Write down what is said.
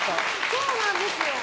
そうなんです。